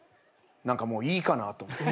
何かもういいかなと思って。